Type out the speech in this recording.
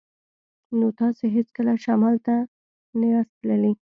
نو تاسې هیڅکله شمال ته نه یاست تللي